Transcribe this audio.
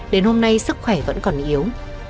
đến hôm nay sức khỏe vẫn còn yếu